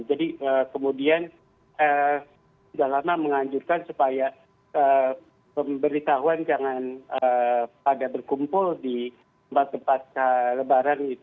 jadi kemudian sudah lama menganjurkan supaya pemberitahuan jangan pada berkumpul di tempat tempat lebaran itu